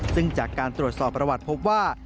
ซึ่งจากการตรวจสอบประวัติพบว่า